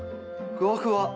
ふわふわ。